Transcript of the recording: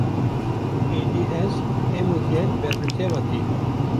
Êdî ez, em û gel ber bi te ve tên